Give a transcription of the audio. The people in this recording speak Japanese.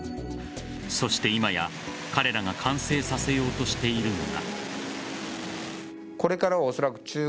そして今や、彼らが完成させようとしているのが。